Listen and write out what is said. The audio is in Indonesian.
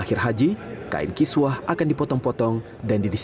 kemudian kiswah dari tahlia